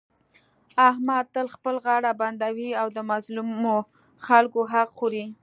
احمد تل خپله غاړه بندوي او د مظلومو خلکو حق خوري.